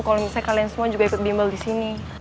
kalau misalnya kalian semua juga ikut bimbel disini